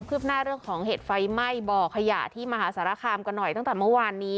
หน้าเรื่องของเหตุไฟไหม้บ่อขยะที่มหาสารคามกันหน่อยตั้งแต่เมื่อวานนี้